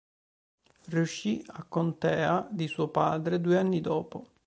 Riuscì a contea di suo padre due anni dopo.